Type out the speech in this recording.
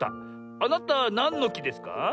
あなたなんのきですか？